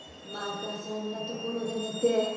またそんなところで寝て。